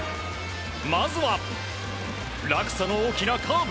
まずは落差の大きなカーブ。